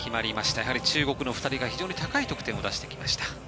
やはり中国の２人が非常に高い得点を出してきました。